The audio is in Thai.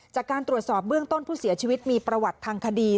จากการตรวจสอบเบื้องต้นผู้เสียชีวิตมีประวัติทางคดี